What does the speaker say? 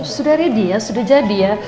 sudah ready ya sudah jadi ya